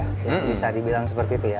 bisa dibilang seperti itu ya